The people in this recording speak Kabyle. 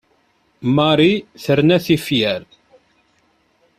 Marie terna tifyar.